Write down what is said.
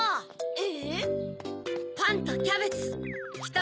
え？